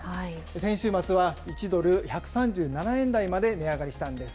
先週末は、１ドル１３７円台まで値上がりしたんです。